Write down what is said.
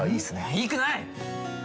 いくない！